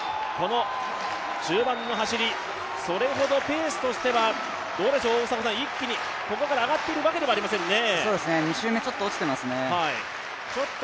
中盤の走り、それほどペースとしては、一気にここから上がっているわけではありませんね。